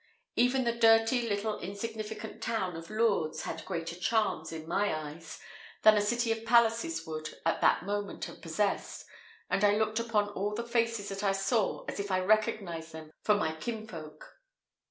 Even the dirty, little, insignificant town of Lourdes had greater charms, in my eyes, than a city of palaces would, at that moment, have possessed, and I looked upon all the faces that I saw as if I recognised them for my kinsfolk.